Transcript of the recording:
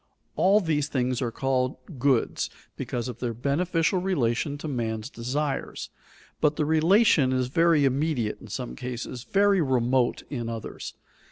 All these things are called goods, because of their beneficial relation to man's desires, but the relation is very immediate in some cases, very remote in others.